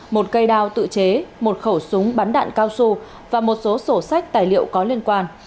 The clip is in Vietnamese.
một cây đao tự chế một khẩu súng bắn đạn cao su và một số sổ sách tài liệu có liên quan